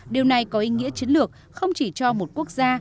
điều này có ý nghĩa chiến lược không chỉ cho một quốc gia